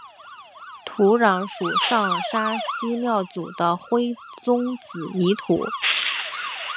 土壤属上沙溪庙组的灰棕紫泥土。